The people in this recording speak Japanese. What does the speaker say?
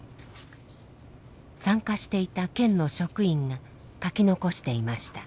参加していた県の職員が書き残していました。